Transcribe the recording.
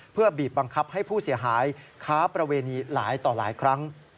เพื่อบีบบังคับให้ผู้เสียหายค้าประเวณีหลายต่อหลายครั้ง